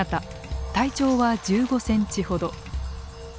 体長は１５センチほど。